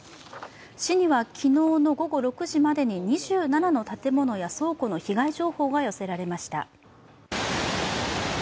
市には昨日の午後６時までに２７の建物や倉庫に被害情報が寄せられました。